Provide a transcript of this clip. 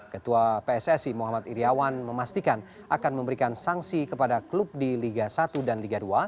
ketua pssi muhammad iryawan memastikan akan memberikan sanksi kepada klub di liga satu dan liga dua